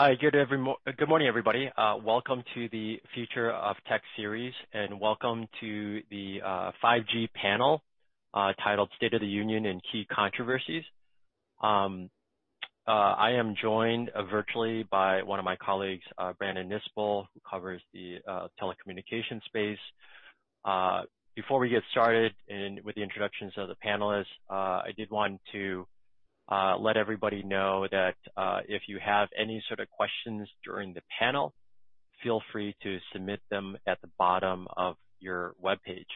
Hi, good morning, everybody. Welcome to the Future of Tech series, and welcome to the 5G panel, titled State of the Union and Key Controversies. I am joined virtually by one of my colleagues, Brandon Nispel, who covers the telecommunication space. Before we get started and with the introductions of the panelists, I did want to let everybody know that if you have any sort of questions during the panel, feel free to submit them at the bottom of your webpage.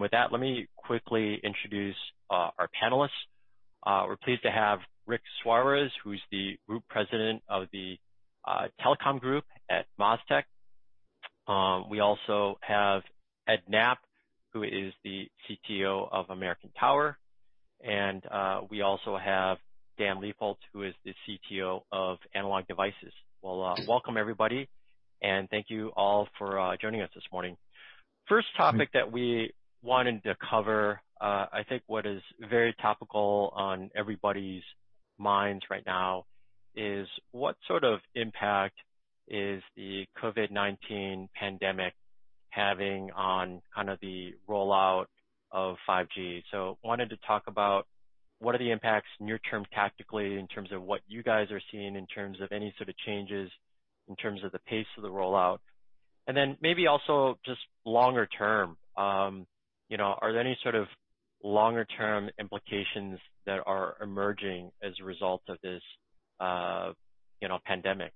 With that, let me quickly introduce our panelists. We're pleased to have Rick Suarez, who's the Group President of the Telecom Group at MasTec. We also have Ed Knapp, who is the CTO of American Tower, and we also have Dan Leibholz, who is the CTO of Analog Devices. Well, welcome, everybody, and thank you all for joining us this morning. First topic that we wanted to cover, I think what is very topical on everybody's minds right now, is what sort of impact is the COVID-19 pandemic having on kind of the rollout of 5G? Wanted to talk about what are the impacts near term, tactically, in terms of what you guys are seeing, in terms of any sort of changes, in terms of the pace of the rollout, and then maybe also just longer term. You know, are there any sort of longer-term implications that are emerging as a result of this, you know, pandemic?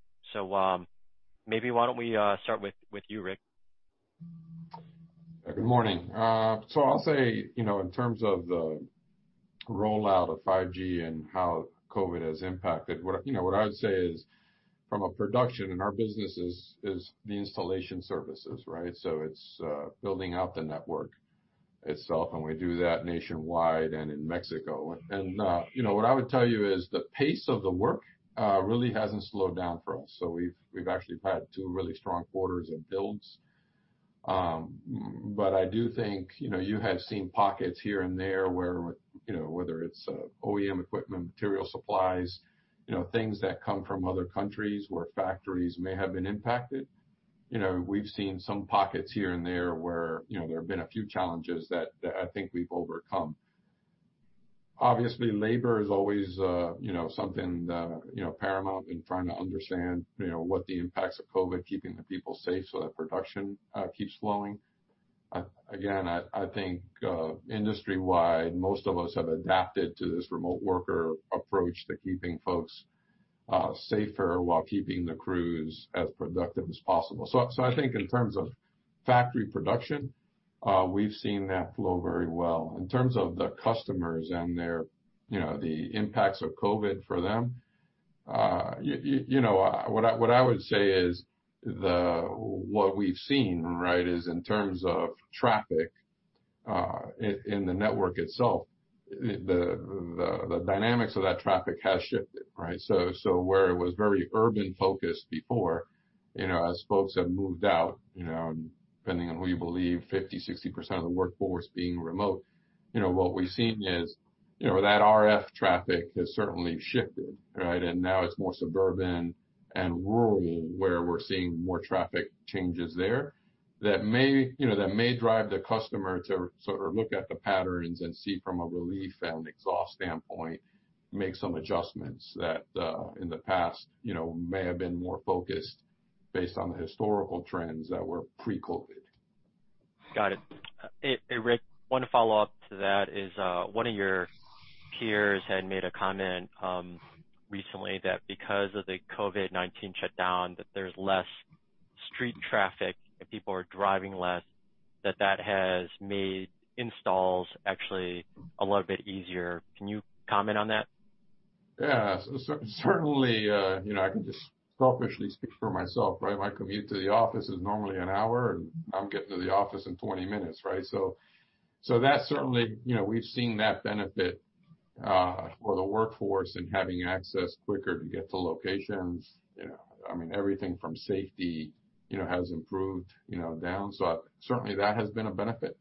Maybe why don't we start with you, Rick? Good morning. I'll say, you know, in terms of the rollout of 5G and how COVID has impacted, what I, you know, what I would say is, from a production, and our business is the installation services, right? It's building out the network itself, and we do that nationwide and in Mexico. You know, what I would tell you is the pace of the work really hasn't slowed down for us, so we've actually had two really strong quarters of builds. I do think, you know, you have seen pockets here and there where, you know, whether it's OEM equipment, material, supplies, you know, things that come from other countries, where factories may have been impacted. You know, we've seen some pockets here and there where, you know, there have been a few challenges that I think we've overcome. Obviously, labor is always, you know, something that, you know, paramount in trying to understand, you know, what the impacts of COVID, keeping the people safe so that production keeps flowing. Again, I think industry-wide, most of us have adapted to this remote worker approach to keeping folks safer while keeping the crews as productive as possible. I think in terms of factory production, we've seen that flow very well. In terms of the customers and their, you know, the impacts of COVID for them, you know, what I, what I would say is, what we've seen, right, is in terms of traffic, in the network itself, the dynamics of that traffic has shifted, right? Where it was very urban-focused before, you know, as folks have moved out, you know, depending on who you believe, 50%-60% of the workforce being remote, you know, what we've seen is, you know, that RF traffic has certainly shifted, right? Now it's more suburban and rural, where we're seeing more traffic changes there. That may, you know, that may drive the customer to sort of look at the patterns and see from a relief and exhaust standpoint, make some adjustments that, in the past, you know, may have been more focused based on the historical trends that were pre-COVID. Got it. Hey, Rick, one follow-up to that is one of your peers had made a comment recently that because of the COVID-19 shutdown, that there's less street traffic and people are driving less, that that has made installs actually a little bit easier. Can you comment on that? Yeah, certainly, you know, I can just selfishly speak for myself, right? My commute to the office is normally an hour, I'm getting to the office in 20 minutes, right? That's certainly. You know, we've seen that benefit for the workforce and having access quicker to get to locations. You know, I mean, everything from safety, you know, has improved, you know, down. Certainly, that has been a benefit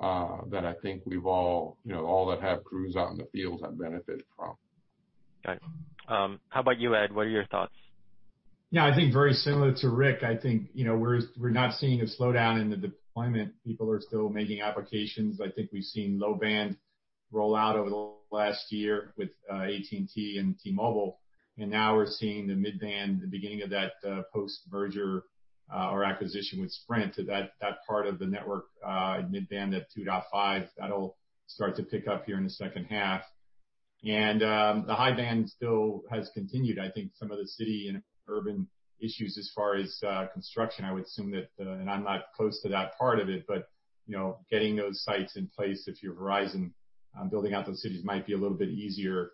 that I think we've all, you know, all that have crews out in the fields have benefited from. Got it. How about you, Ed? What are your thoughts? Yeah, I think very similar to Rick. I think, you know, we're not seeing a slowdown in the deployment. People are still making applications. I think we've seen low-band roll out over the last year with AT&T and T-Mobile, and now we're seeing the mid-band, the beginning of that, post-merger or acquisition with Sprint, so that part of the network, mid-band, that 2.5, that'll start to pick up here in the second half. The high band still has continued. I think some of the city and urban issues as far as construction. I would assume that, and I'm not close to that part of it, but, you know, getting those sites in place, if you're Verizon, building out those cities might be a little bit easier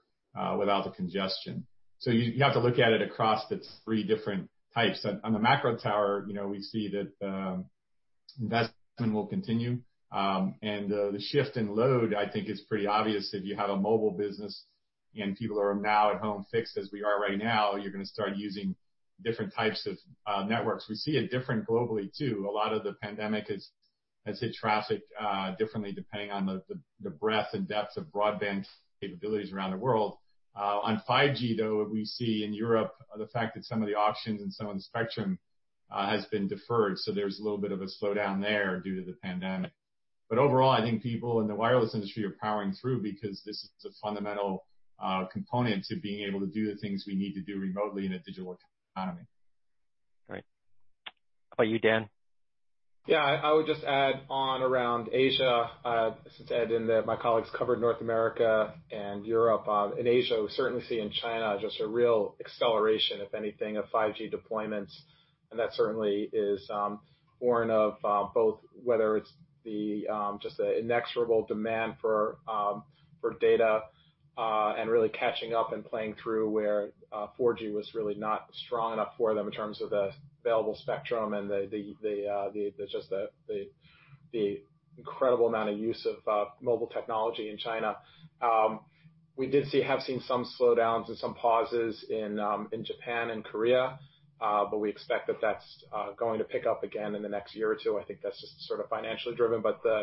without the congestion. You have to look at it across the three different types. On the macro tower, you know, we see that investment will continue. The shift in load, I think, is pretty obvious. If you have a mobile business and people are now at home fixed, as we are right now, you're gonna start using different types of networks. We see it different globally, too. A lot of the pandemic has hit traffic differently depending on the breadth and depth of broadband capabilities around the world. On 5G, though, we see in Europe, the fact that some of the auctions and some of the spectrum has been deferred, so there's a little bit of a slowdown there due to the pandemic. Overall, I think people in the wireless industry are powering through because this is a fundamental component to being able to do the things we need to do remotely in a digital economy. Great. How about you, Dan? Yeah, I would just add on around Asia, since Ed and my colleagues covered North America and Europe. In Asia, we certainly see in China just a real acceleration, if anything, of 5G deployments, and that certainly is foreign of both, whether it's the just the inexorable demand for data and really catching up and playing through where 4G was really not strong enough for them in terms of the available spectrum and the incredible amount of use of mobile technology in China. We have seen some slowdowns and some pauses in Japan and Korea, but we expect that that's going to pick up again in the next year or two. I think that's just sort of financially driven. The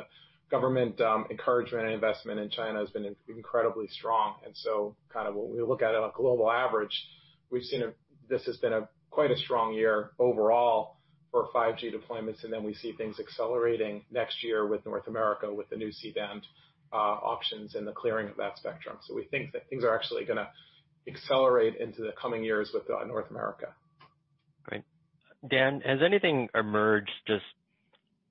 government, encouragement and investment in China has been incredibly strong. Kind of when we look at it on a global average, we've seen this has been a quite a strong year overall for 5G deployments. We see things accelerating next year with North America, with the new C-band, auctions and the clearing of that spectrum. We think that things are actually gonna accelerate into the coming years with North America. Great. Dan, has anything emerged just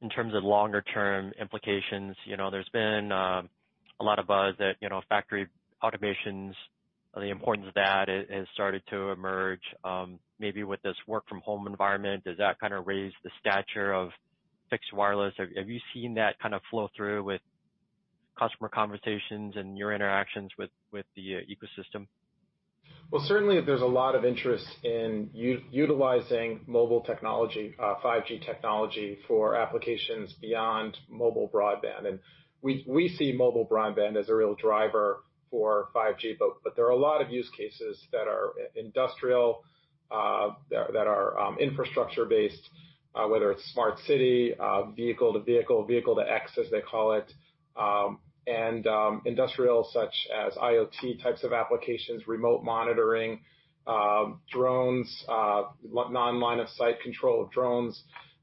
in terms of longer term implications? You know, there's been a lot of buzz that, you know, factory automations and the importance of that has started to emerge. Maybe with this work from home environment, does that kind of raise the stature of fixed wireless? Have you seen that kind of flow through with customer conversations and your interactions with the ecosystem? Well, certainly there's a lot of interest in utilizing mobile technology, 5G technology for applications beyond mobile broadband. We see mobile broadband as a real driver for 5G, but there are a lot of use cases that are industrial, that are infrastructure based, whether it's smart city, vehicle-to-vehicle, Vehicle-to-X, as they call it, and industrial such as IoT types of applications, remote monitoring, drones, non-line of sight control of drones.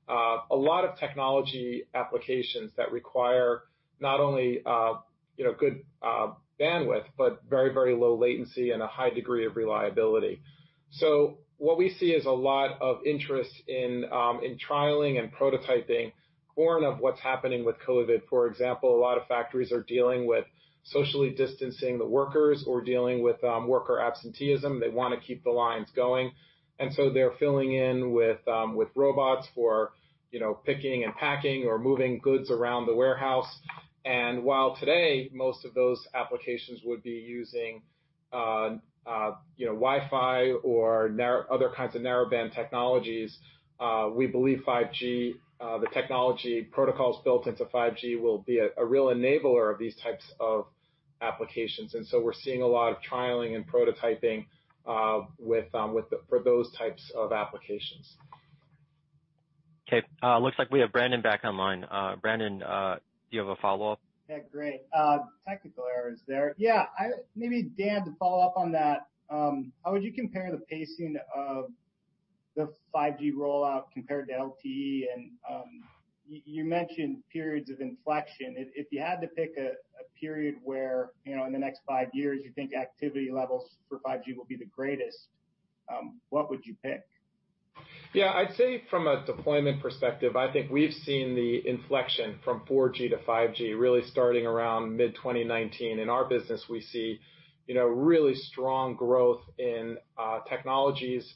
A lot of technology applications that require not only, you know, good bandwidth, but very, very low latency and a high degree of reliability. What we see is a lot of interest in trialing and prototyping sort of what's happening with COVID. For example, a lot of factories are dealing with socially distancing the workers or dealing with worker absenteeism. They wanna keep the lines going, and so they're filling in with robots for, you know, picking and packing or moving goods around the warehouse. While today, most of those applications would be using, you know, Wi-Fi or other kinds of narrowband technologies, we believe 5G, the technology protocols built into 5G will be a real enabler of these types of applications. We're seeing a lot of trialing and prototyping for those types of applications. Okay. looks like we have Brandon back online. Brandon, do you have a follow-up? Yeah, great. technical error is there. Yeah, maybe, Dan, to follow up on that, how would you compare the pacing of the 5G rollout compared to LTE? You mentioned periods of inflection. If you had to pick a period where, you know, in the next five years you think activity levels for 5G will be the greatest, what would you pick? Yeah, I'd say from a deployment perspective, I think we've seen the inflection from 4G to 5G really starting around mid-2019. In our business, we see, you know, really strong growth in technologies that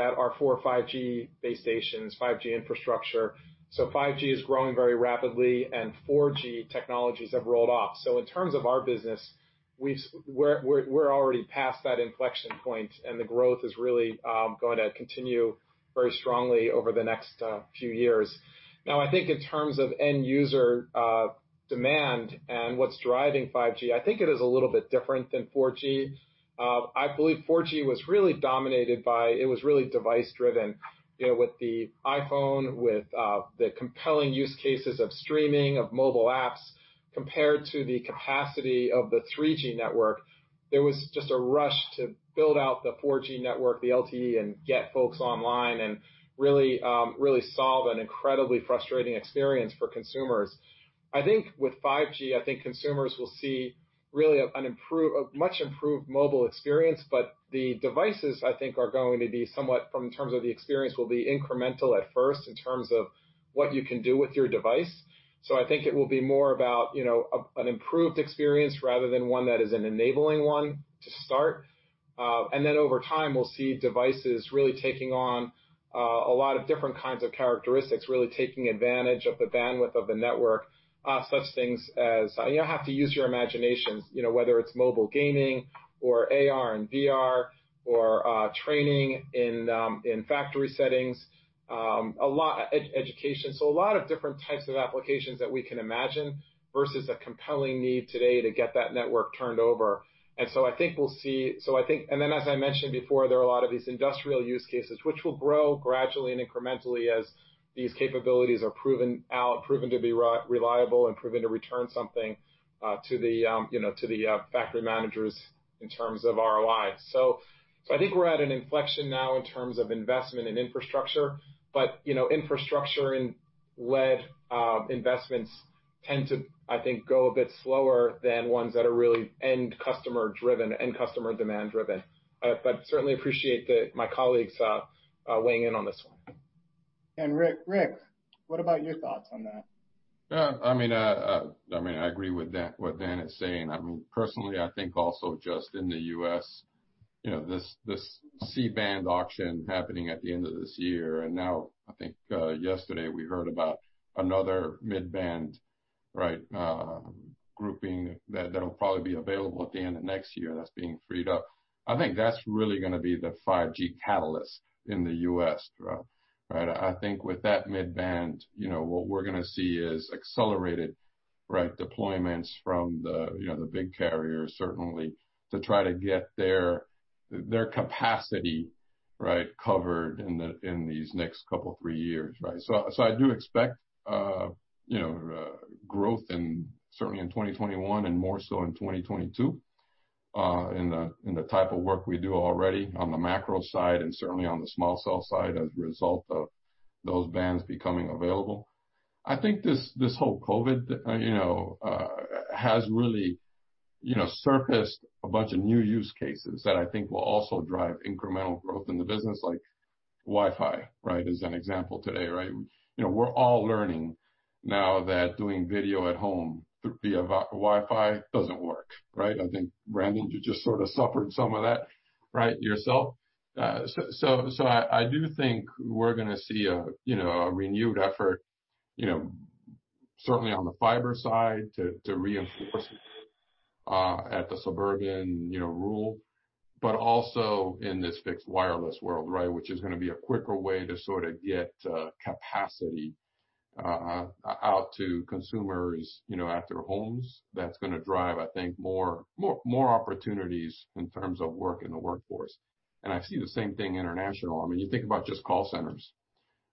are for 5G base stations, 5G infrastructure. 5G is growing very rapidly, and 4G technologies have rolled off. In terms of our business, we're already past that inflection point, and the growth is really going to continue very strongly over the next few years. I think in terms of end user demand and what's driving 5G, I think it is a little bit different than 4G. I believe 4G was really dominated by. It was really device driven, you know, with the iPhone, with the compelling use cases of streaming, of mobile apps, compared to the capacity of the 3G network. There was just a rush to build out the 4G network, the LTE, and get folks online and really solve an incredibly frustrating experience for consumers. I think with 5G, I think consumers will see really a much improved mobile experience, but the devices, I think, are going to be somewhat, from in terms of the experience, will be incremental at first in terms of what you can do with your device. I think it will be more about, you know, an improved experience rather than one that is an enabling one to start. Then over time, we'll see devices really taking on a lot of different kinds of characteristics, really taking advantage of the bandwidth of the network. Such things as, you don't have to use your imagination, you know, whether it's mobile gaming or AR and VR or training in factory settings, a lot of education. A lot of different types of applications that we can imagine versus a compelling need today to get that network turned over. I think. Then, as I mentioned before, there are a lot of these industrial use cases which will grow gradually and incrementally as these capabilities are proven out, proven to be reliable, and proven to return something to the, you know, to the factory managers in terms of ROI. I think we're at an inflection now in terms of investment in infrastructure, but, you know, infrastructure and lead, investments tend to, I think, go a bit slower than ones that are really end customer driven, end customer demand driven. But certainly appreciate that my colleagues are weighing in on this one. Rick, what about your thoughts on that? I mean, I agree with Dan, what Dan is saying. I mean, personally, I think also just in the U.S., you know, this C-band auction happening at the end of this year. Now I think, yesterday, we heard about another mid-band, right, grouping, that'll probably be available at the end of next year, that's being freed up. I think that's really gonna be the 5G catalyst in the U.S., right? I think with that mid-band, you know, what we're gonna see is accelerated, right, deployments from the, you know, the big carriers certainly to try to get their capacity, right, covered in these next two, three years, right? I do expect, you know, growth in, certainly in 2021, and more so in 2022, in the type of work we do already on the macro side and certainly on the small cell side, as a result of those bands becoming available. I think this whole COVID, you know, has really, you know, surfaced a bunch of new use cases that I think will also drive incremental growth in the business, like Wi-Fi, right, as an example today, right? You know, we're all learning now that doing video at home via Wi-Fi doesn't work, right? I think, Brandon, you just sort of suffered some of that, right, yourself. I do think we're gonna see a, you know, a renewed effort, you know, certainly on the fiber side, to reinforce, at the suburban, you know, rule. Also in this fixed wireless world, right? Which is gonna be a quicker way to sorta get capacity out to consumers, you know, at their homes. That's gonna drive, I think, opportunities in terms of work in the workforce. I see the same thing international. I mean, you think about just call centers,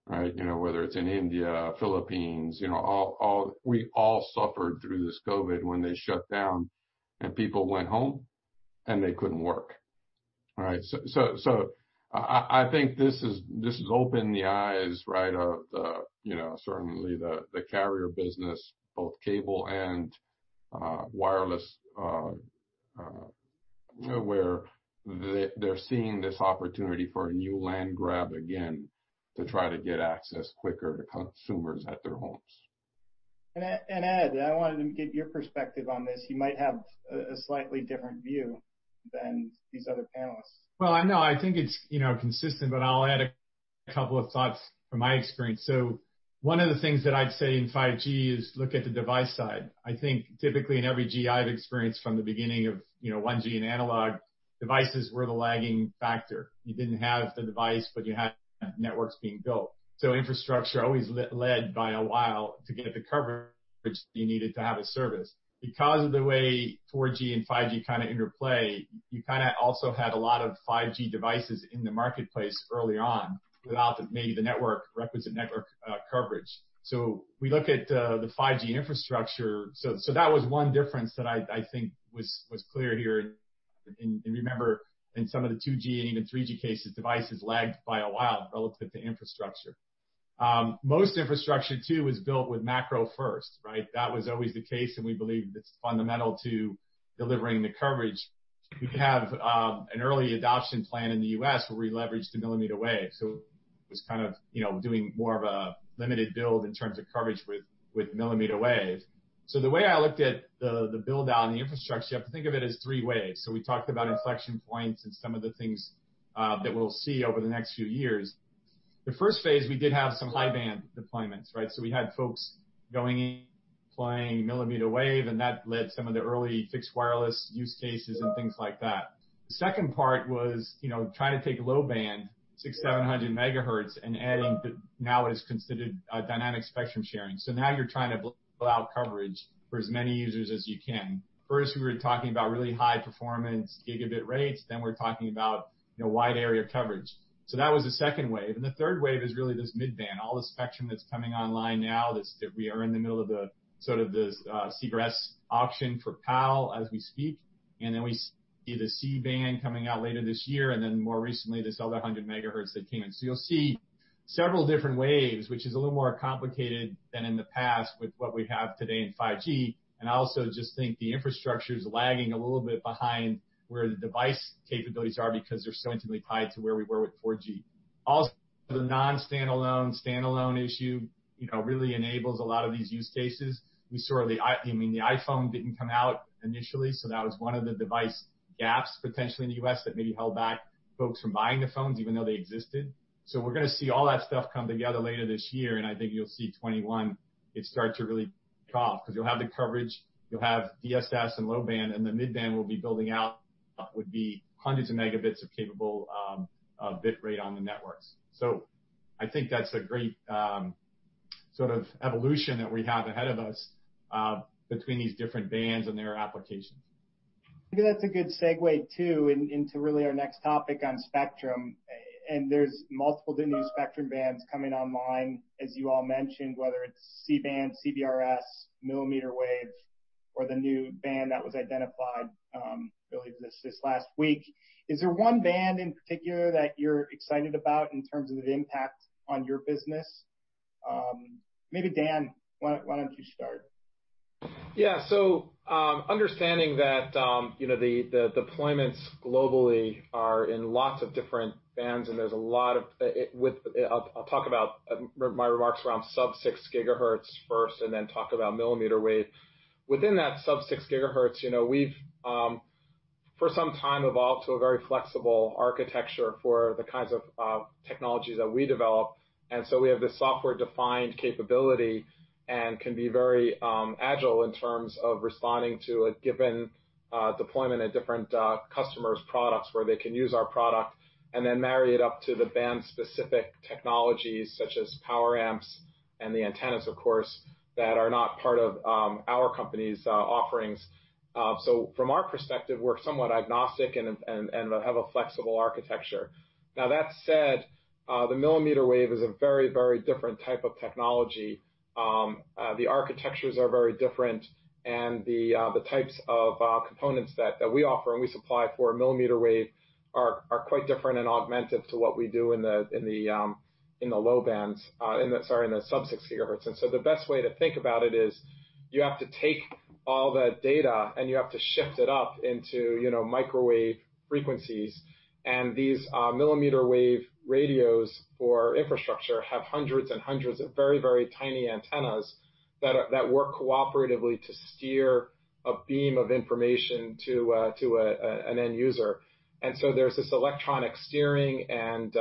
right? You know, whether it's in India, Philippines, you know, We all suffered through this COVID when they shut down and people went home, and they couldn't work, all right? I think this has opened the eyes, right, of the, you know, certainly the carrier business, both cable and wireless, where they're seeing this opportunity for a new land grab again, to try to get access quicker to consumers at their homes. Ed, I wanted to get your perspective on this. You might have a slightly different view than these other panelists. Well, I know, I think it's, you know, consistent, but I'll add a couple of thoughts from my experience. One of the things that I'd say in 5G is look at the device side. I think typically in every G I've experienced, from the beginning of, you know, 1G and analog, devices were the lagging factor. You didn't have the device, but you had networks being built. Infrastructure always led by a while to get the coverage you needed to have a service. Because of the way 4G and 5G kinda interplay, you kinda also had a lot of 5G devices in the marketplace early on, without maybe the network, requisite network coverage. We look at the 5G infrastructure. That was one difference that I think was clear here. Remember, in some of the 2G and even 3G cases, devices lagged by a while relative to infrastructure. Most infrastructure, too, was built with macro first, right? That was always the case, and we believe it's fundamental to delivering the coverage. We have an early adoption plan in the U.S., where we leveraged the millimeter wave, so it was kind of, you know, doing more of a limited build in terms of coverage with millimeter wave. The way I looked at the build-out and the infrastructure, you have to think of it as three waves. We talked about inflection points and some of the things that we'll see over the next few years. The first phase, we did have some high-band deployments, right? We had folks going in, deploying millimeter wave, and that led some of the early fixed wireless use cases and things like that. The second part was, you know, trying to take a low band, 600-700 MHz, and adding what now is considered a dynamic spectrum sharing. Now you're trying to build out coverage for as many users as you can. First, we were talking about really high-performance gigabit rates, then we're talking about, you know, wide area coverage. That was the second wave, and the third wave is really this mid-band. All the spectrum that's coming online now, that we are in the middle of the, sort of this, CBRS auction for PAL as we speak, and then we see the C-band coming out later this year, and then more recently, this other 100 MHz that came in. You'll see several different waves, which is a little more complicated than in the past with what we have today in 5G. I also just think the infrastructure is lagging a little bit behind where the device capabilities are, because they're so intimately tied to where we were with 4G. Also, the Non-Standalone, Standalone issue, you know, really enables a lot of these use cases. We saw I mean, the iPhone didn't come out initially, that was one of the device gaps, potentially in the U.S., that maybe held back folks from buying the phones, even though they existed. We're going to see all that stuff come together later this year, and I think you'll see 2021, it start to really take off, because you'll have the coverage, you'll have DSS and low-band, and the mid-band will be building out. would be hundreds of megabits of capable, of bit rate on the networks. I think that's a great, sort of evolution that we have ahead of us, between these different bands and their applications. Maybe that's a good segue, too, in, into really our next topic on spectrum. There's multiple new spectrum bands coming online, as you all mentioned, whether it's C-band, CBRS, millimeter wave, or the new band that was identified earlier this last week. Is there one band in particular that you're excited about in terms of the impact on your business? Maybe Dan, why don't you start? Yeah. Understanding that, you know, the deployments globally are in lots of different bands, and there's a lot of. I'll talk about my remarks around sub-6 GHz first, and then talk about millimeter wave. Within that sub-6 GHz, you know, we've for some time evolved to a very flexible architecture for the kinds of technologies that we develop, and so we have this software-defined capability and can be very agile in terms of responding to a given deployment at different customers' products, where they can use our product and then marry it up to the band-specific technologies, such as power amps and the antennas, of course, that are not part of our company's offerings. From our perspective, we're somewhat agnostic and have a flexible architecture. Now, that said, the millimeter wave is a very, very different type of technology. The architectures are very different, and the types of components that we offer and we supply for millimeter wave are quite different and augmented to what we do in the low bands, in the sub-6 GHz. The best way to think about it is, you have to take all that data, and you have to shift it up into, you know, microwave frequencies. These millimeter wave radios for infrastructure have hundreds and hundreds of very, very tiny antennas that work cooperatively to steer a beam of information to a, to an end user. There's this electronic steering and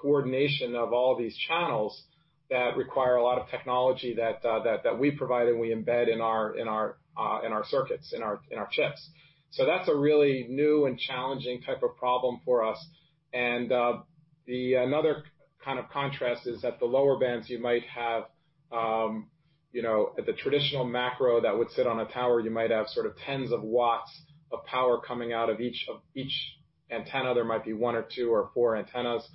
coordination of all these channels that require a lot of technology that we provide, and we embed in our circuits, in our chips. That's a really new and challenging type of problem for us. The another kind of contrast is at the lower bands, you might have, you know, at the traditional macro that would sit on a tower, you might have sort of tens of watts of power coming out of each antenna. There might be one or two or four antennas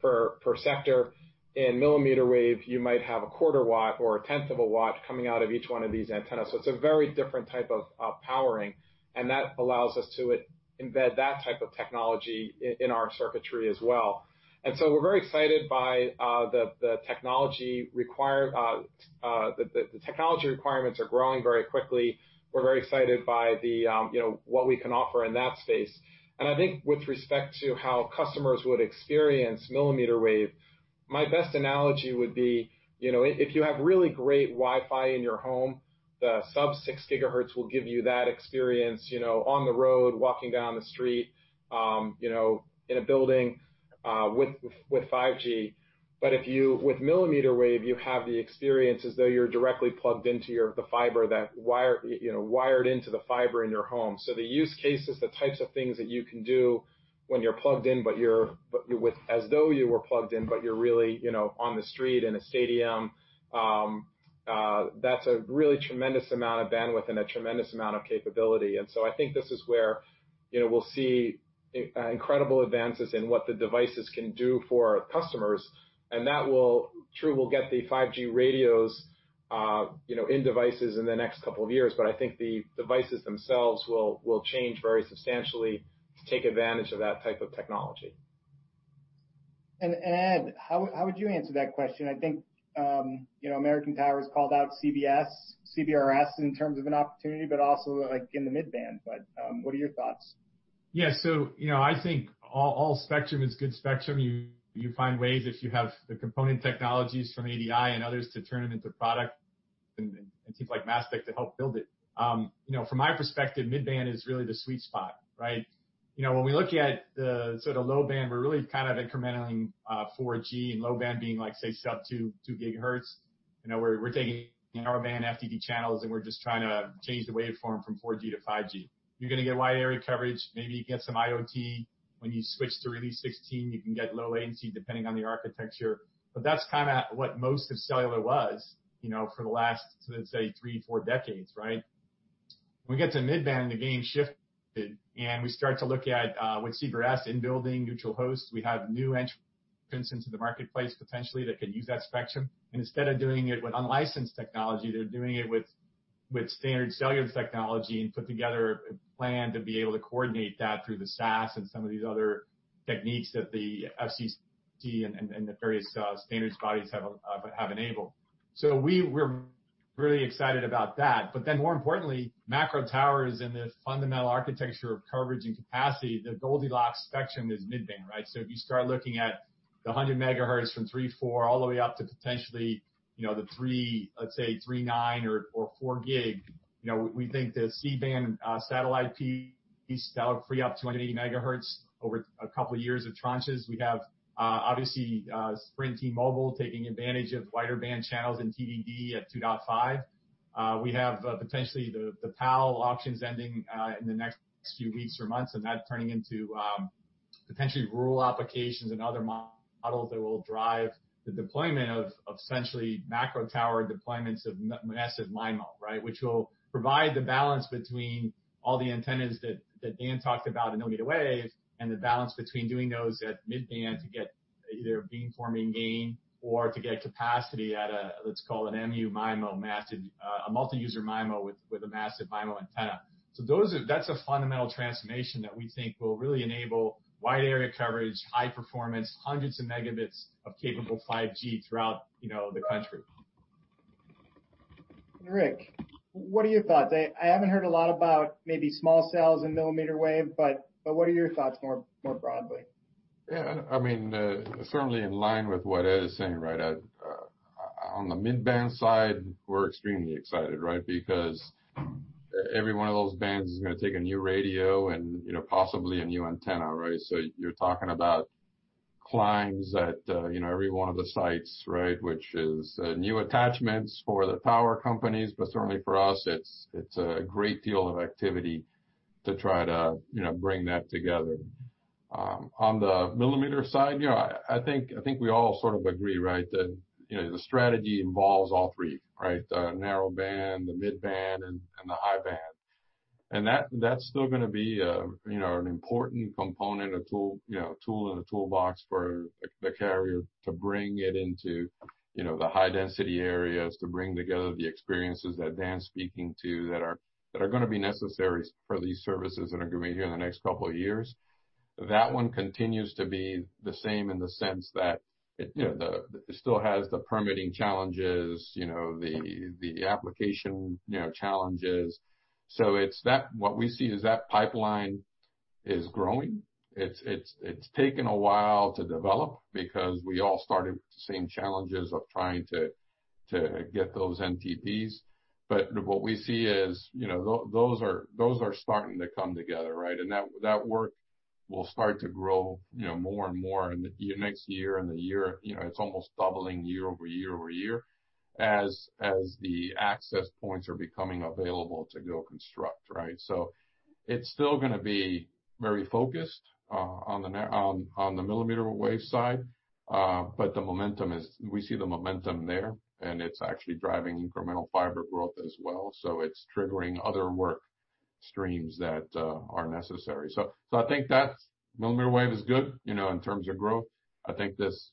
per sector. In millimeter wave, you might have a quarter watt or a tenth of a watt coming out of each one of these antennas, so it's a very different type of powering, and that allows us to embed that type of technology in our circuitry as well. We're very excited by the technology requirements are growing very quickly. We're very excited by the, you know, what we can offer in that space. I think with respect to how customers would experience millimeter wave, my best analogy would be, you know, if you have really great Wi-Fi in your home, the sub-6 GHz will give you that experience, you know, on the road, walking down the street, you know, in a building, with 5G. If you with millimeter wave, you have the experience as though you're directly plugged into your, the fiber that wire, you know, wired into the fiber in your home. The use cases, the types of things that you can do when you're plugged in, but you're with as though you were plugged in, but you're really, you know, on the street, in a stadium, that's a really tremendous amount of bandwidth and a tremendous amount of capability. I think this is where, you know, we'll see incredible advances in what the devices can do for our customers, and that will. True, we'll get the 5G radios, you know, in devices in the next couple of years, I think the devices themselves will change very substantially to take advantage of that type of technology. Ed, how would you answer that question? I think, you know, American Towers called out CBRS in terms of an opportunity, but also, like, in the midband, what are your thoughts? You know, I think all spectrum is good spectrum. You find ways, if you have the component technologies from ADI and others, to turn them into product and teams like MasTec to help build it. You know, from my perspective, midband is really the sweet spot, right? You know, when we look at the sort of low band, we're really kind of incrementally 4G, and low band being like, say, sub-2 GHz. You know, we're taking our band FDD channels, and we're just trying to change the waveform from 4G to 5G. You're gonna get wide area coverage, maybe you get some IoT. When you switch to Release 16, you can get low latency, depending on the architecture. That's kind of what most of cellular was, you know, for the last, let's say, three, four decades, right? When we get to midband, the game shifted, and we start to look at, with CBRS in building neutral hosts, we have new entrants into the marketplace, potentially, that could use that spectrum. Instead of doing it with unlicensed technology, they're doing it with standard cellular technology and put together a plan to be able to coordinate that through the SAS and some of these other techniques that the FCC and the various standards bodies have enabled. We're really excited about that. More importantly, macro towers and the fundamental architecture of coverage and capacity, the Goldilocks spectrum is midband, right? If you start looking at the 100 MHz from 3, 4, all the way up to potentially, you know, the 3... let's say, 3.9 or 4 gig, you know, we think the C-band, satellite P to 80 MHz over a couple of years of tranches. We have, obviously, Sprint, T-Mobile, taking advantage of wider band channels in TDD at 2.5. We have potentially the PAL auctions ending in the next few weeks or months, and that turning into potentially rural applications and other models that will drive the deployment of essentially macro tower deployments of massive MIMO, right? Which will provide the balance between all the antennas that Dan talked about in millimeter wave, and the balance between doing those at mid-band to get either beamforming gain or to get capacity at a, let's call it an MU-MIMO massive, a multi-user MIMO with a massive MIMO antenna. That's a fundamental transformation that we think will really enable wide area coverage, high performance, hundreds of megabits of capable 5G throughout, you know, the country. Rick, what are your thoughts? I haven't heard a lot about maybe small cells in millimeter wave, but what are your thoughts more broadly? Yeah, I mean, certainly in line with what Ed is saying, right? On the mid-band side, we're extremely excited, right? Because every one of those bands is gonna take a new radio and, you know, possibly a new antenna, right? You're talking about climbs at, you know, every one of the sites, right? Which is new attachments for the tower companies, but certainly for us, it's a great deal of activity to try to, you know, bring that together. On the millimeter side, you know, I think we all sort of agree, right, that, you know, the strategy involves all three, right? The narrowband, the mid-band, and the high band. That's still gonna be a, you know, an important component, a tool, you know, a tool in a toolbox for the carrier to bring it into, you know, the high density areas, to bring together the experiences that Dan's speaking to, that are gonna be necessary for these services that are gonna be here in the next couple of years. That one continues to be the same in the sense that it, you know, it still has the permitting challenges, you know, the application, you know, challenges. What we see is that pipeline is growing. It's taken a while to develop because we all started with the same challenges of trying to get those NTPs. What we see is, you know, those are starting to come together, right? That, that work will start to grow, you know, more and more in the next year and the year. You know, it's almost doubling year over year, over year, as the access points are becoming available to go construct, right? It's still gonna be very focused on the millimeter wave side, but we see the momentum there, and it's actually driving incremental fiber growth as well. It's triggering other work streams that are necessary. I think that's, millimeter wave is good, you know, in terms of growth. I think this,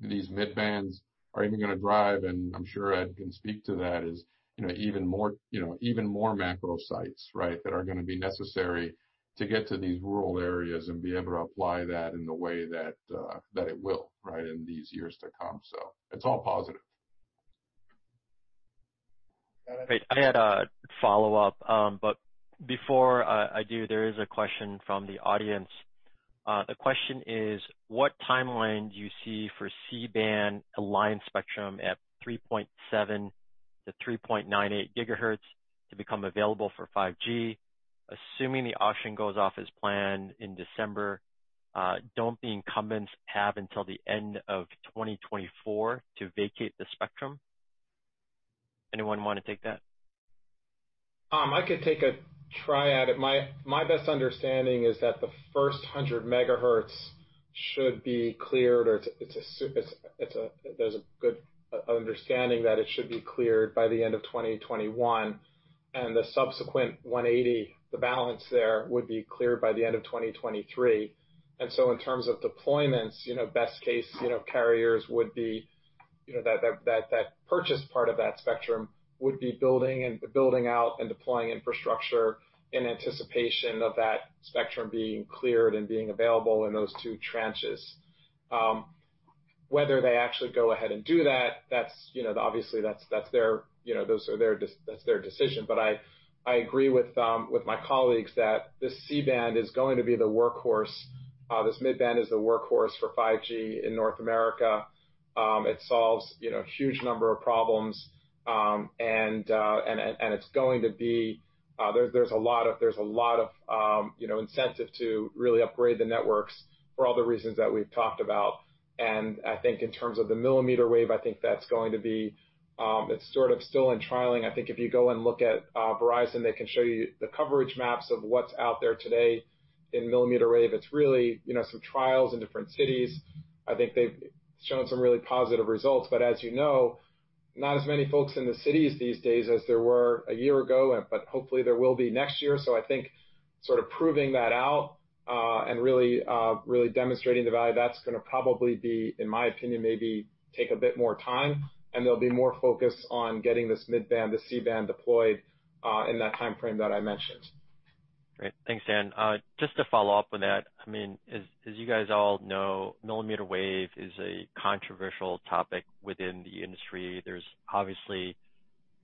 these mid bands are even gonna drive, and I'm sure Ed can speak to that, is, you know, even more, you know, even more macro sites, right? That are gonna be necessary to get to these rural areas and be able to apply that in the way that it will, right, in these years to come. It's all positive. Got it. Great. I had a follow-up, but before I do, there is a question from the audience. The question is: What timeline do you see for C-Band Alliance spectrum at 3.7 to 3.98 GHz to become available for 5G? Assuming the auction goes off as planned in December, don't the incumbents have until the end of 2024 to vacate the spectrum? Anyone want to take that? I could take a try at it. My best understanding is that the 1st 100 MHz should be cleared, or there's a good understanding that it should be cleared by the end of 2021, and the subsequent 180, the balance there, would be cleared by the end of 2023. In terms of deployments, you know, best case, you know, carriers would be, you know, that purchase part of that spectrum would be building out and deploying infrastructure in anticipation of that spectrum being cleared and being available in those two tranches. Whether they actually go ahead and do that's, you know, obviously, that's their, you know, that's their decision. I agree with my colleagues that this C-band is going to be the workhorse, this mid-band is the workhorse for 5G in North America. It solves, you know, a huge number of problems, and it's going to be. There's a lot of, you know, incentive to really upgrade the networks for all the reasons that we've talked about. I think in terms of the millimeter wave, I think that's going to be, it's sort of still in trialing. I think if you go and look at Verizon, they can show you the coverage maps of what's out there today in millimeter wave. It's really, you know, some trials in different cities. I think they've shown some really positive results. As you know, not as many folks in the cities these days as there were a year ago, but hopefully there will be next year. I think sort of proving that out, and really, really demonstrating the value, that's gonna probably be, in my opinion, maybe take a bit more time, and there'll be more focus on getting this mid-band, this C-band deployed, in that timeframe that I mentioned. Great. Thanks, Dan. Just to follow up on that, I mean, as you guys all know, millimeter wave is a controversial topic within the industry. There's obviously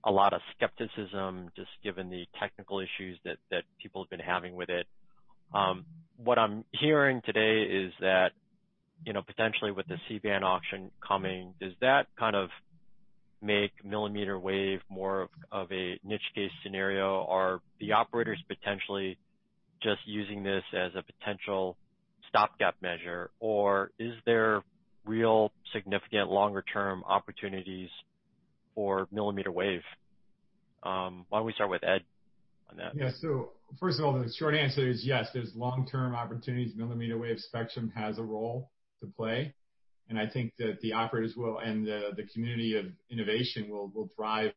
a lot of skepticism, just given the technical issues that people have been having with it. What I'm hearing today is that, you know, potentially with the C-band auction coming, does that kind of make millimeter wave more of a niche case scenario? Are the operators potentially just using this as a potential stopgap measure, or is there real significant longer-term opportunities for millimeter wave? Why don't we start with Ed on that? First of all, the short answer is yes, there's long-term opportunities. millimeter wave spectrum has a role to play, and I think that the operators will, and the community of innovation will drive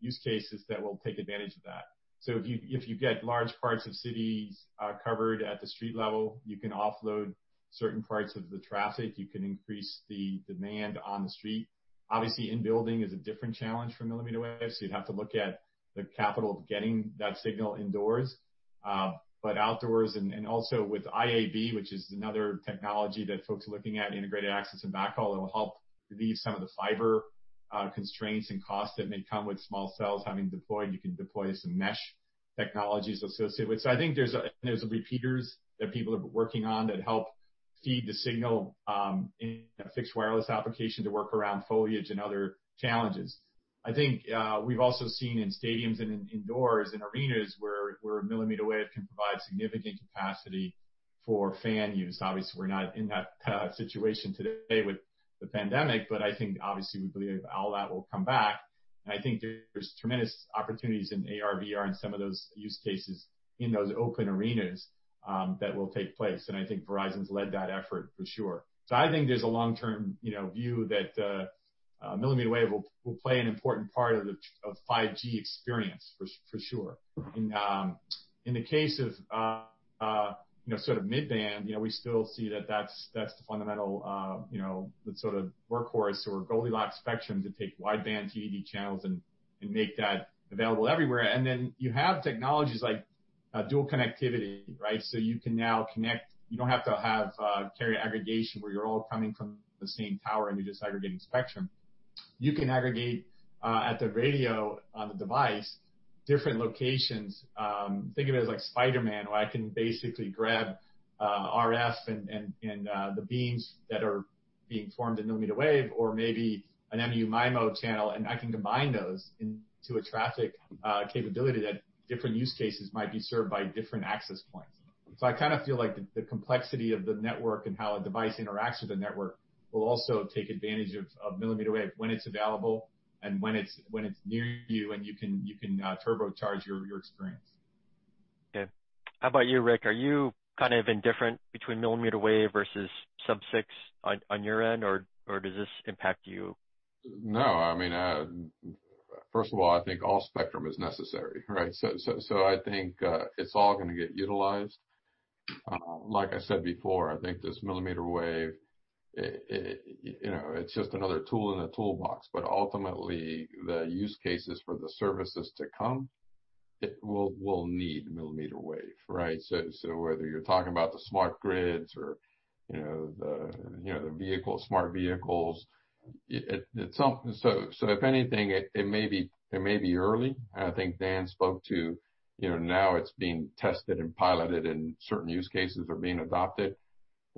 use cases that will take advantage of that. If you get large parts of cities, covered at the street level, you can offload certain parts of the traffic, you can increase the demand on the street. Obviously, in-building is a different challenge for millimeter wave, so you'd have to look at the capital to getting that signal indoors. But outdoors and also with IAB, which is another technology that folks are looking at, Integrated Access and Backhaul, it will help relieve some of the fiber constraints and costs that may come with small cells having deployed. You can deploy some mesh technologies associated with... I think there's repeaters that people are working on that help feed the signal in a fixed wireless application to work around foliage and other challenges. I think we've also seen in stadiums and in indoors, in arenas, where millimeter wave can provide significant capacity for fan use. Obviously, we're not in that situation today with the pandemic, but I think, obviously, we believe all that will come back. I think there's tremendous opportunities in AR/VR and some of those use cases in those open arenas that will take place, and I think Verizon's led that effort for sure. I think there's a long-term, you know, view that millimeter wave will play an important part of the 5G experience for sure. In the case of, you know, sort of mid-band, you know, we still see that that's the fundamental, you know, the sort of workhorse or Goldilocks spectrum to take wideband TDD channels and make that available everywhere. Then you have technologies like Dual Connectivity, right? You can now connect. You don't have to have Carrier Aggregation, where you're all coming from the same tower, and you're just aggregating spectrum. You can aggregate at the radio on the device, different locations. Think of it as like Spider-Man, where I can basically grab RF and the beams that are being formed in millimeter wave or maybe an MU-MIMO channel, and I can combine those into a traffic capability that different use cases might be served by different access points. I kind of feel like the complexity of the network and how a device interacts with the network will also take advantage of millimeter wave when it's available and when it's near you, and you can turbocharge your experience. Okay. How about you, Rick? Are you kind of indifferent between millimeter wave versus sub-6 on your end, or does this impact you? No, I mean, first of all, I think all spectrum is necessary, right? I think it's all gonna get utilized. Like I said before, I think this millimeter wave, you know, it's just another tool in the toolbox. Ultimately, the use cases for the services to come, it will need millimeter wave, right? Whether you're talking about the smart grids or, you know, the, you know, the vehicles, smart vehicles. If anything, it may be early. I think Dan spoke to, you know, now it's being tested and piloted, and certain use cases are being adopted.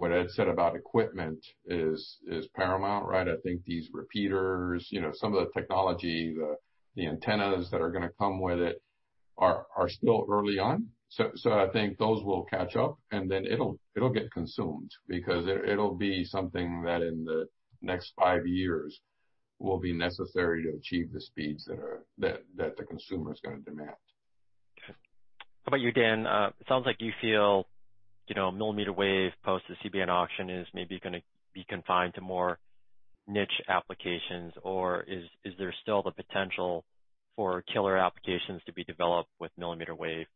What Ed said about equipment is paramount, right? I think these repeaters, you know, some of the technology, the antennas that are going to come with it are still early on. I think those will catch up, and then it'll get consumed because it'll be something that, in the next five years, will be necessary to achieve the speeds that are that the consumer is going to demand. Okay. How about you, Dan? It sounds like you feel, you know, millimeter wave post the C-band auction is maybe gonna be confined to more niche applications, or is there still the potential for killer applications to be developed with millimeter wave?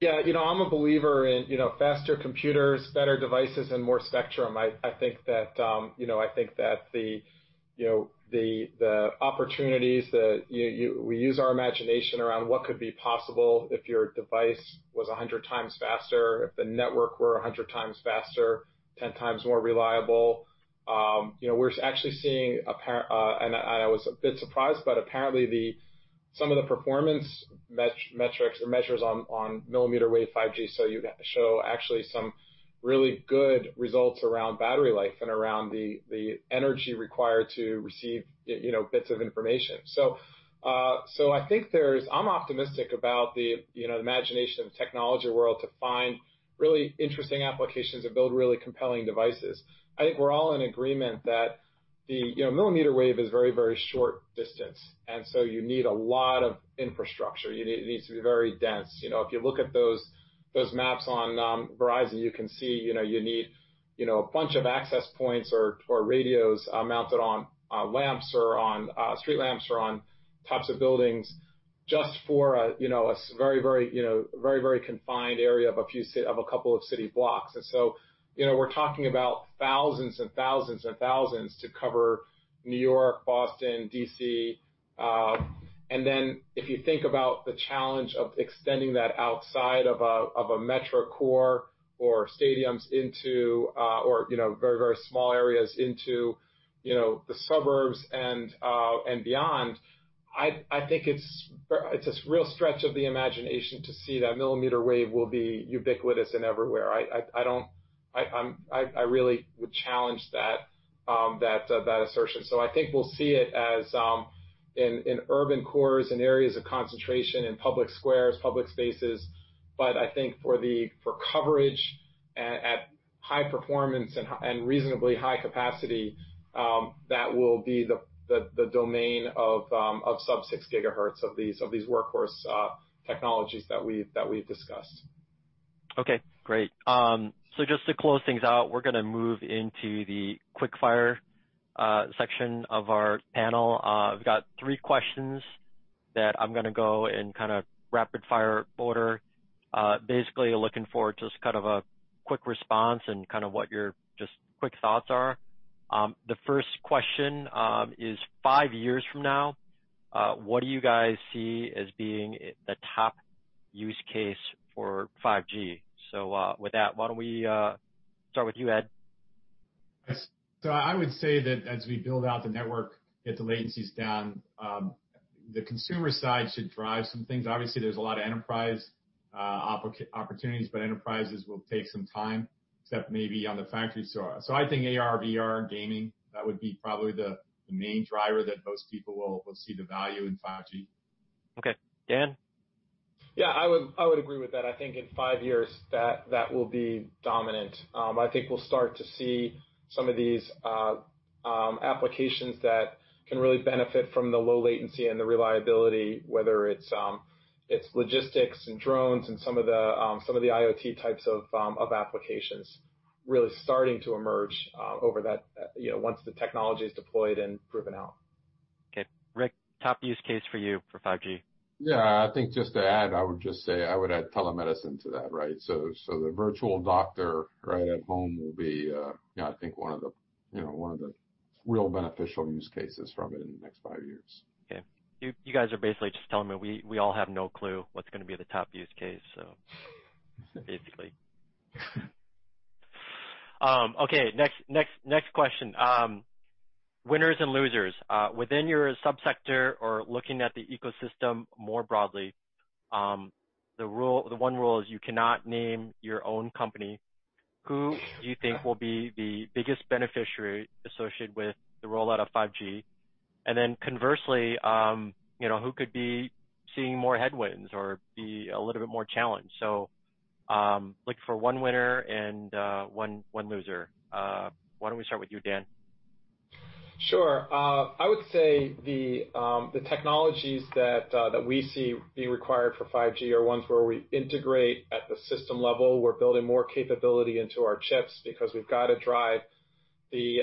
Yeah, you know, I'm a believer in, you know, faster computers, better devices, and more spectrum. I think that, you know, I think that the, you know, the opportunities that we use our imagination around what could be possible if your device was 100 times faster, if the network were 100 times faster, 10 times more reliable. You know, we're actually seeing apparent, and I was a bit surprised, but apparently, the, some of the performance metrics or measures on millimeter wave 5G, show actually some really good results around battery life and around the energy required to receive, you know, bits of information. I think there's. I'm optimistic about the, you know, the imagination of the technology world to find really interesting applications and build really compelling devices. I think we're all in agreement that the, you know, millimeter wave is very, very short distance, and so you need a lot of infrastructure. It needs to be very dense. You know, if you look at those maps on Verizon, you can see, you know, you need, you know, a bunch of access points or radios mounted on lamps or on streetlamps or on tops of buildings just for a, you know, a very, very, you know, very, very confined area of a couple of city blocks. You know, we're talking about thousands to cover New York, Boston, D.C. Then if you think about the challenge of extending that outside of a, of a metro core or stadiums into, or, you know, very, very small areas into, you know, the suburbs and beyond, I think it's a real stretch of the imagination to see that millimeter wave will be ubiquitous and everywhere. I really would challenge that assertion. I think we'll see it as in urban cores and areas of concentration, in public squares, public spaces. I think for coverage at high performance and reasonably high capacity, that will be the domain of sub-6 GHz of these workhorse technologies that we've discussed. Okay, great. Just to close things out, we're gonna move into the quick-fire section of our panel. I've got three questions that I'm gonna go in kind of rapid-fire order. Basically looking for just kind of a quick response and kind of what your just quick thoughts are. The first question is five years from now, what do you guys see as being the top use case for 5G? With that, why don't we start with you, Ed? Yes. I would say that as we build out the network, get the latencies down, the consumer side should drive some things. Obviously, there's a lot of enterprise opportunities. Enterprises will take some time, except maybe on the factory store. I think AR/VR gaming, that would be probably the main driver that most people will see the value in 5G. Okay. Dan? Yeah, I would agree with that. I think in fice years, that will be dominant. I think we'll start to see some of these applications that can really benefit from the low latency and the reliability, whether it's logistics and drones and some of the IoT types of applications really starting to emerge over that, you know, once the technology is deployed and proven out. Okay. Rick, top use case for you for 5G? Yeah, I think just to add, I would just say I would add telemedicine to that, right? The virtual doctor right at home will be, you know, I think one of the, you know, one of the real beneficial use cases from it in the next five years. Okay. You guys are basically just telling me we all have no clue what's gonna be the top use case, so basically. Okay, next question. Winners and losers. Within your sub-sector or looking at the ecosystem more broadly, the one rule is you cannot name your own company. Who do you think will be the biggest beneficiary associated with the rollout of 5G? Conversely, you know, who could be seeing more headwinds or be a little bit more challenged? Looking for one winner and one loser. Why don't we start with you, Dan? Sure. I would say the technologies that we see being required for 5G are ones where we integrate at the system level. We're building more capability into our chips because we've got to drive the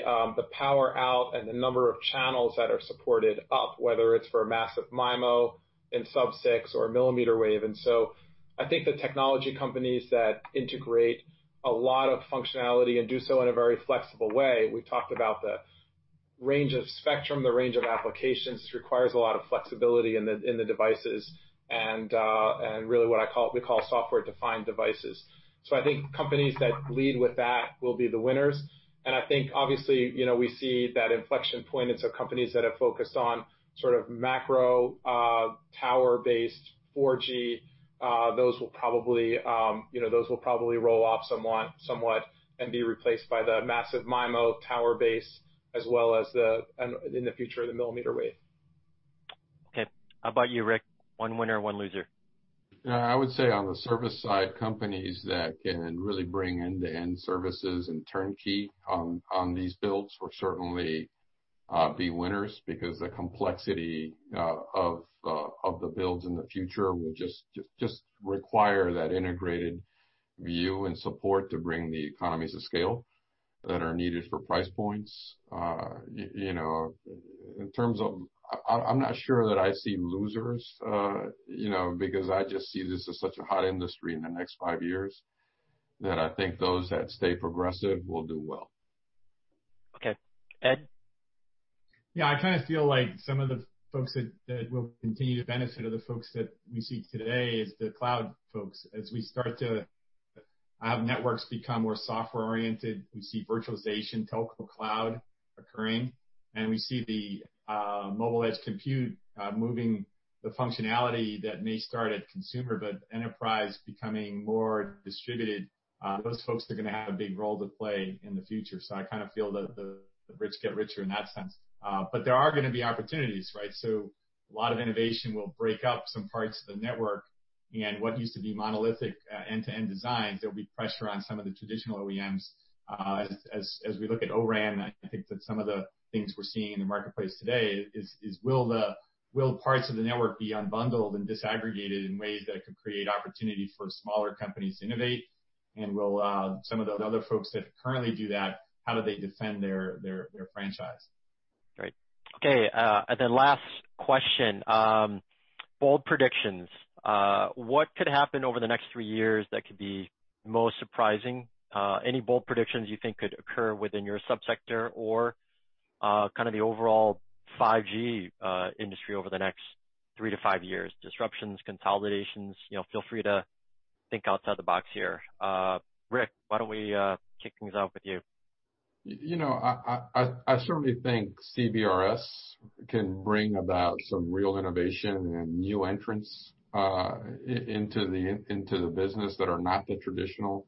power out and the number of channels that are supported up, whether it's for massive MIMO in sub-6 or millimeter wave. I think the technology companies that integrate a lot of functionality and do so in a very flexible way, we talked about the range of spectrum, the range of applications, requires a lot of flexibility in the devices, and really what we call software-defined devices. I think companies that lead with that will be the winners. I think, obviously, you know, we see that inflection point, it's the companies that have focused on sort of macro tower-based 4G. Those will probably, you know, those will probably roll off somewhat and be replaced by the massive MIMO tower base, as well as the, and in the future, the millimeter wave. Okay. How about you, Rick? One winner, one loser. Yeah, I would say on the service side, companies that can really bring end-to-end services and turnkey on these builds will certainly be winners because the complexity of the builds in the future will just require that integrated view and support to bring the economies of scale that are needed for price points. You know, in terms of, I'm not sure that I see losers, you know, because I just see this as such a hot industry in the next five years, that I think those that stay progressive will do well. Okay. Ed? Yeah, I kind of feel like some of the folks that will continue to benefit are the folks that we see today as the cloud folks. As we start to have networks become more software-oriented, we see virtualization, Telco Cloud occurring, and we see the Mobile Edge Computing moving the functionality that may start at consumer, but enterprise becoming more distributed. Those folks are gonna have a big role to play in the future. I kind of feel that the rich get richer in that sense. There are gonna be opportunities, right? A lot of innovation will break up some parts of the network, and what used to be monolithic, end-to-end designs, there'll be pressure on some of the traditional OEMs. As we look at O-RAN, I think that some of the things we're seeing in the marketplace today is will parts of the network be unbundled and disaggregated in ways that could create opportunity for smaller companies to innovate? Will some of the other folks that currently do that, how do they defend their franchise? Great. Okay, then last question. Bold predictions. What could happen over the next three years that could be most surprising? Any bold predictions you think could occur within your sub-sector or kind of the overall 5G industry over the next three to five years? Disruptions, consolidations, you know, feel free to think outside the box here. Rick, why don't we kick things off with you?... You know, I certainly think CBRS can bring about some real innovation and new entrants into the business that are not the traditional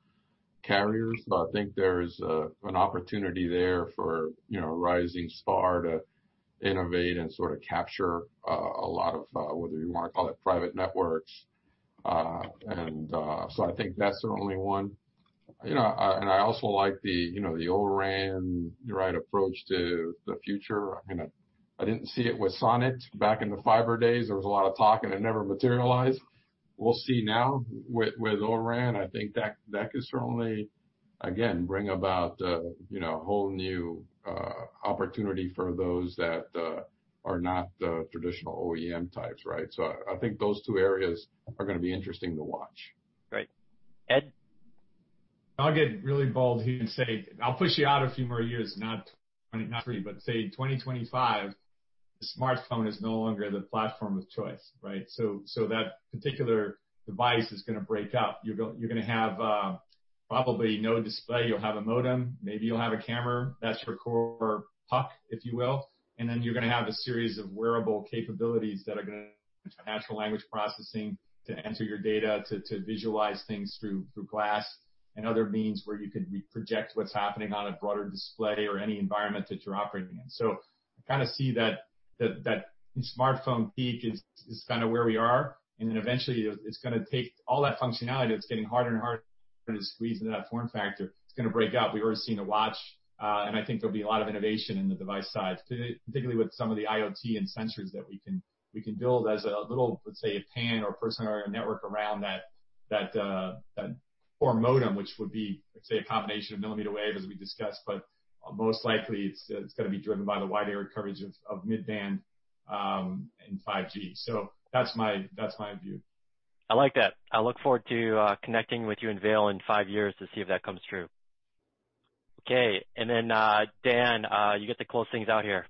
carriers. I think there's an opportunity there for, you know, a rising star to innovate and sort of capture a lot of, whether you wanna call it private networks. I think that's the only one. You know, I also like the, you know, the O-RAN, right approach to the future. I mean, I didn't see it with SONET back in the fiber days. There was a lot of talk, it never materialized. We'll see now with O-RAN, I think that could certainly, again, bring about, you know, a whole new opportunity for those that are not the traditional OEM types, right? I think those two areas are gonna be interesting to watch. Right. Ed? I'll get really bold here and say, I'll push you out a few more years, not 3, but say 2025, the smartphone is no longer the platform of choice, right? That particular device is gonna break out. You're gonna have probably no display. You'll have a modem, maybe you'll have a camera that's for core, if you will, and then you're gonna have a series of wearable capabilities that are gonna Natural Language Processing to enter your data, to visualize things through glass and other means, where you could project what's happening on a broader display or any environment that you're operating in. I kinda see that smartphone peak is kinda where we are, and then eventually, it's gonna take all that functionality that's getting harder and harder to squeeze into that form factor. It's gonna break out. We've already seen a watch, and I think there'll be a lot of innovation in the device side, particularly with some of the IoT and sensors that we can build as a little, let's say, a PAN or Personal Area Network around that core modem, which would be, let's say, a combination of millimeter wave, as we discussed, but most likely, it's gonna be driven by the wide area coverage of mid-band in 5G. That's my view. I like that. I look forward to connecting with you and Vail in five years to see if that comes true. Dan, you get to close things out here.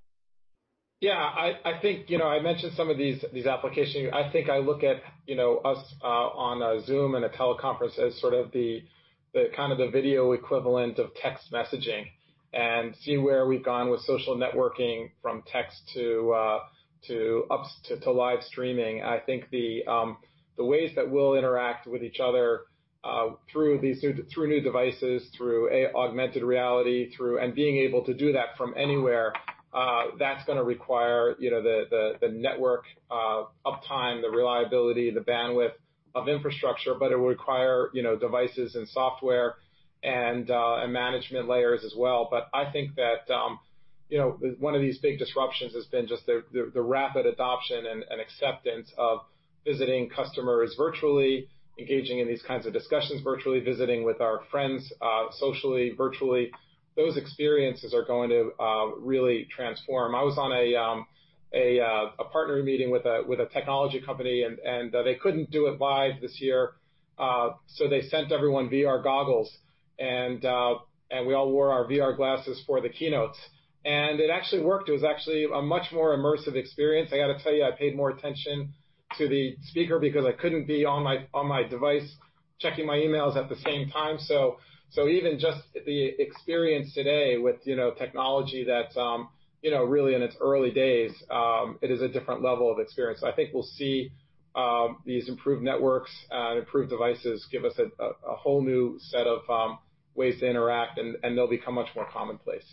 I think, you know, I mentioned some of these applications. I think I look at, you know, us on a Zoom and a teleconference as sort of the kind of the video equivalent of text messaging, and see where we've gone with social networking from text to live streaming. I think the ways that we'll interact with each other through new devices, through Augmented Reality. Being able to do that from anywhere, that's gonna require, you know, the network uptime, the reliability, the bandwidth of infrastructure, but it will require, you know, devices and software and management layers as well. I think that, you know, one of these big disruptions has been just the rapid adoption and acceptance of visiting customers virtually, engaging in these kinds of discussions, virtually visiting with our friends, socially, virtually. Those experiences are going to really transform. I was on a partner meeting with a technology company, and they couldn't do it live this year, so they sent everyone VR goggles, and we all wore our VR glasses for the keynotes, and it actually worked. It was actually a much more immersive experience. I gotta tell you, I paid more attention to the speaker because I couldn't be on my device checking my emails at the same time. Even just the experience today with, you know, technology that's, you know, really in its early days, it is a different level of experience. I think we'll see these improved networks and improved devices, give us a whole new set of ways to interact, and they'll become much more commonplace.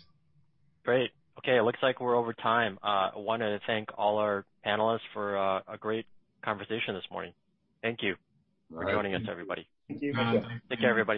Great. Okay, it looks like we're over time. I wanted to thank all our panelists for a great conversation this morning. All right. For joining us, everybody. Thank you. Take care, everybody.